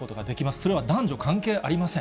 それは男女関係ありません。